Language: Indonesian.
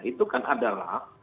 itu kan adalah